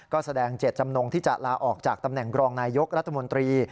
ก็แสดงเจตจำนงที่จะลาออกจากตำแหน่งรองนายยกรัฐมนตรี